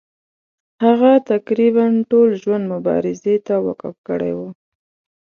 هغه تقریبا ټول ژوند مبارزې ته وقف کړی وو.